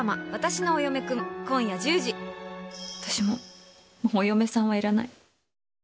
私もうお嫁さんはいらない。